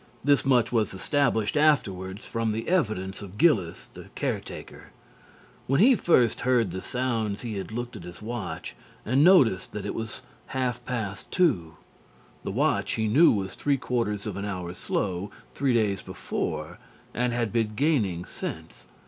This much was established afterwards from the evidence of Gillis, the caretaker. When he first heard the sounds he had looked at his watch and noticed that it was half past two; the watch he knew was three quarters of an hour slow three days before and had been gaining since.